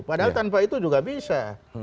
padahal tanpa itu juga bisa